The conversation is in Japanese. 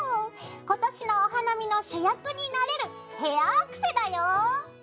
今年のお花見の主役になれるヘアアクセだよ。